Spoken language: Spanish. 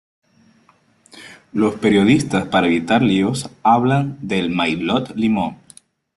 Los periodistas para evitar líos hablan del maillot limón.